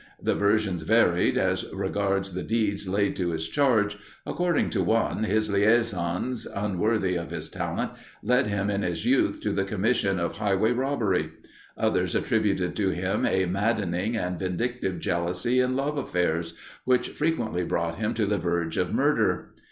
The versions varied, as regards the deeds laid to his charge; according to one, his liaisons, unworthy of his talent, led him in his youth to the commission of highway robbery; others attributed to him a maddening and vindictive jealousy in love affairs, which frequently brought him to the verge of murder.